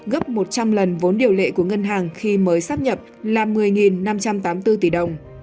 gấp một trăm linh lần vốn điều lệ của ngân hàng khi mới sắp nhập là một mươi năm trăm tám mươi bốn tỷ đồng